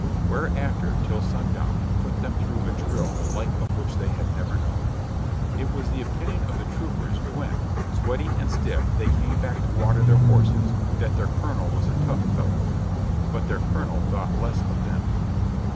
Whereafter, till sundown, he put them through a drill the like of which they had never known. It was the opinion of the troopers, when, sweating and stiff, they came back to water their horses, that their colonel was a tough fellow. But their colonel thought less of them.